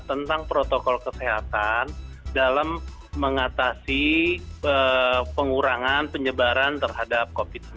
tentang protokol kesehatan dalam mengatasi pengurangan penyebaran terhadap covid sembilan belas